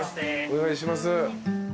お願いします。